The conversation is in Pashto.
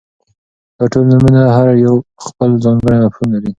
داټول نومونه هر يو خپل ځانګړى مفهوم ،